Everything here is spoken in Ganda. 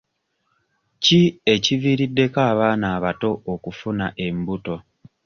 Ki ekiviiriddeko abaana abato okufuna embuto?